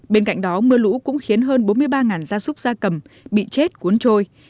bên cạnh đó mưa lũ cũng khiến hơn bốn mươi ba gia súc gia cầm bị chết cuốn trôi